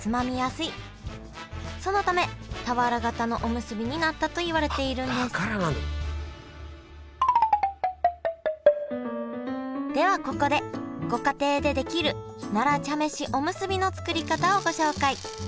そのため俵型のおむすびになったといわれているんですではここでご家庭でできる奈良茶飯おむすびの作り方をご紹介。